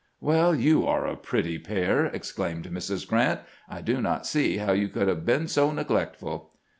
" WeU, you are a pretty pair !" exclaimed Mrs. Grant. " I do not see how you could have been so neglectful."